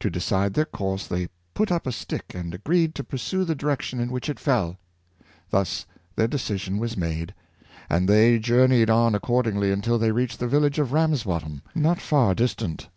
To decide their course they put up a stick, and agreed to pursue the direction in which it fell. Thus their decision was made, and they journeyed on accordingly until they reached the village of Rams botham, not far distant.